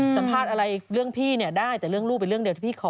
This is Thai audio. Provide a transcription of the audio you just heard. สัมภาษณ์อะไรเรื่องพี่เนี่ยได้แต่เรื่องลูกเป็นเรื่องเดียวที่พี่ขอ